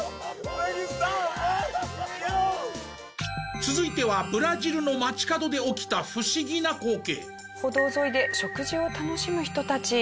続いてはブラジルの街角で起きた不思議な光景。